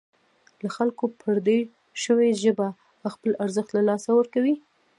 له خلکو پردۍ شوې ژبه خپل ارزښت له لاسه ورکوي.